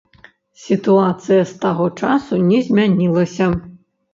Сітуацыя з таго часу не змянілася.